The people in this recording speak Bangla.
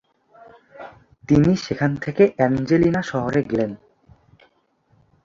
তিনি সেখান থেকে অ্যাঞ্জেলিনা শহরে গেলেন।